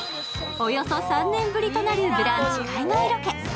およそ３年ぶりとなる「ブランチ」海外ロケ。